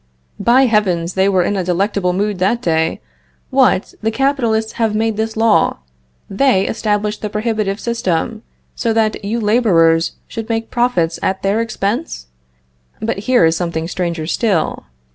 By heavens, they were in a delectable mood that day. What! the capitalists made this law; they established the prohibitive system, so that you laborers should make profits at their expense! But here is something stranger still.